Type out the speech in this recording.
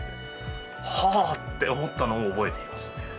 「はあ」って思ったのを覚えていますね。